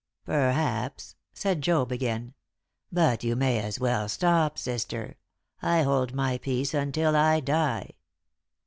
"Perhaps," said Job again. "But you may as well stop, sister. I hold my peace until I die."